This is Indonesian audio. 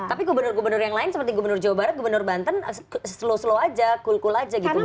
tapi gubernur gubernur yang lain seperti gubernur jawa barat gubernur banten slow slow aja cool cool aja gitu